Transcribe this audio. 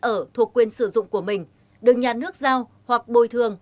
diện tích đất ở thuộc quyền sử dụng của mình được nhà nước giao hoặc bồi thường